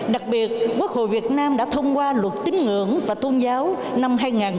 đặc biệt quốc hội việt nam đã thông qua luật tính ngưỡng và tôn giáo năm hai nghìn một mươi bốn